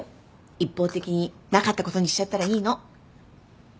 一方的になかったことにしちゃったらいいの。